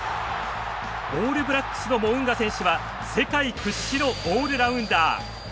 オールブラックスのモウンガ選手は世界屈指のオールラウンダー。